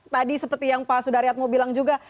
tadi seperti yang pak sudaryatmo bilang juga